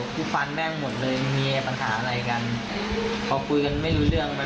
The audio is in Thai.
หนูพาลุงไปตามรถหน่อยมันขี่รถลุงไป